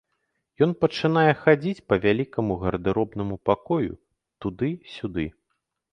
Ён пачынае хадзіць па вялікаму гардэробнаму пакою туды-сюды.